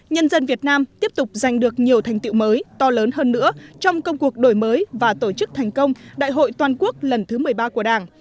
nhân dân việt nam tiếp tục giành được nhiều thành tiệu mới to lớn hơn nữa trong công cuộc đổi mới và tổ chức thành công đại hội toàn quốc lần thứ một mươi ba của đảng